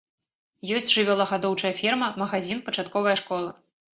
Ёсць жывёлагадоўчая ферма, магазін, пачатковая школа.